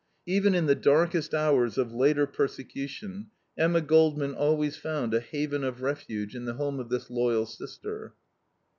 Even in the darkest hours of later persecution Emma Goldman always found a haven of refuge in the home of this loyal sister.